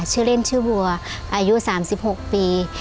ชื่อเล่นชื่อวัวอายุ๓๖ปี